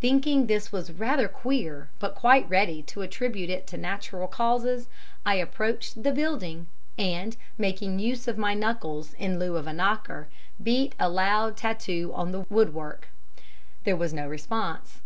Thinking this was rather queer, but quite ready to attribute it to natural causes, I approached the building, and, making use of my knuckles in lieu of a knocker, beat a loud tattoo on the woodwork. There was no response.